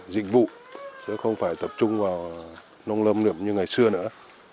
dịch vụ không phải tập trung vào nông lâm như ngày xưa nữa